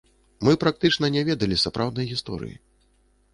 Мы практычна не ведалі сапраўднай гісторыі.